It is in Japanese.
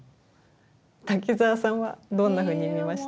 滝沢さんはどんなふうに見ました？